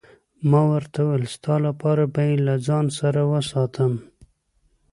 ما ورته وویل: ستا لپاره به يې له ځان سره وساتم.